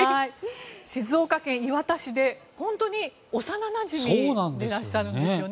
静岡県磐田市で本当に幼なじみでいらっしゃるんですよね。